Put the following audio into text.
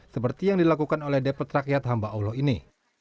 seperti yang dilakukan oleh depet rakyat hamba allah ini